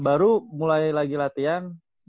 baru mulai lagi latihan